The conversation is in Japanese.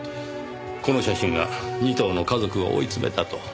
この写真が仁藤の家族を追い詰めたと。